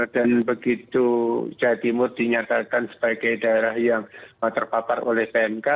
dan begitu jawa timur dinyatakan sebagai daerah yang terpapar oleh pmk